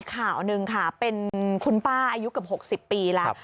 ข่าวหนึ่งค่ะเป็นคุณป้าอายุเกือบ๖๐ปีแล้ว